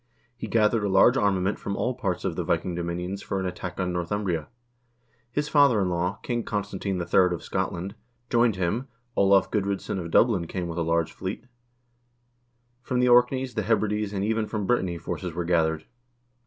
He gathered a large armament from all parts of the Viking dominions for an attack on Northumbria. His father in law, King Constantine III. of Scotland, joined him, Olav Gud r0dsson of Dublin came with a large fleet ; from the Orkneys, the Hebrides, and even from Brittany forces were gathered.